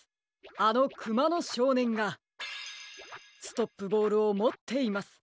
あのクマの少年がストップボールをもっています。